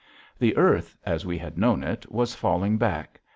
The earth, as we had known it, was falling back.